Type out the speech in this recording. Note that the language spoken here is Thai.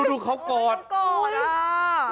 ดูเขากอดอ่ะ